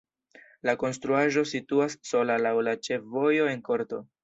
La konstruaĵo situas sola laŭ la ĉefvojo en korto.